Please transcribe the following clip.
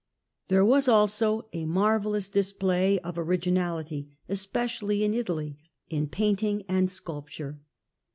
There was also a marvellous display of originality, es])ecially in Italy, in painting and sculpture.